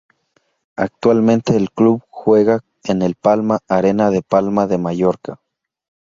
Actualmente el club juega en el Palma Arena de Palma de Mallorca.